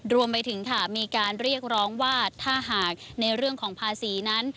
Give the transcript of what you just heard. รวมไปถึงค่ะมีการเรียกร้องว่าถ้าหากในเรื่องของภาษีนั้น